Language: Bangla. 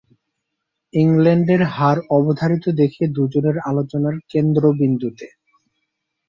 ইংল্যান্ডের হার অবধারিত দেখে দুজনের আলোচনার কেন্দ্রবিন্দুতে...